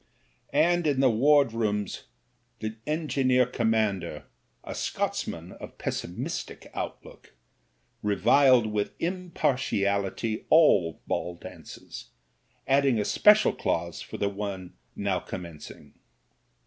And in the wardroom the engineer commander — a Scotsman of pessimistic outlook — ^reviled with impartiality all ball dances, adding a special clause for the one now commencing.